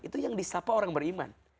itu yang disapa orang beriman